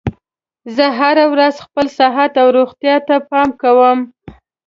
زه هره ورځ خپل صحت او روغتیا ته پام کوم